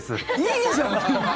いいじゃん。